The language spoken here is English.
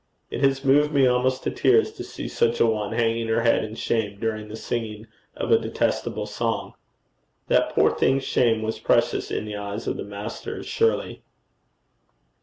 It has moved me almost to tears to see such a one hanging her head in shame during the singing of a detestable song. That poor thing's shame was precious in the eyes of the Master, surely.'